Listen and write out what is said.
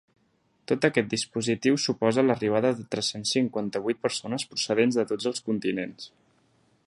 Tot aquest dispositiu suposa l’arribada de tres-cents cinquanta-vuit persones procedents de tots els continents.